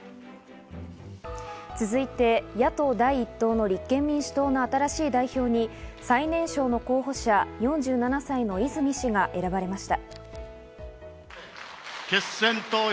続いて野党第一党の立憲民主党の新しい代表に最年少の候補者４７歳の泉氏が選ばれました。